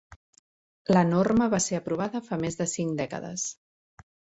La norma va ser aprovada fa més de cinc dècades.